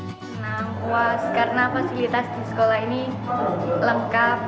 senang puas karena fasilitas di sekolah ini lengkap